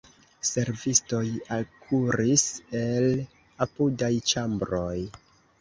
Servistoj alkuris el apudaj ĉambroj.